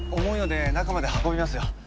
重いので中まで運びますよ。